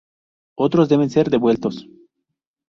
Otros deben ser devueltos.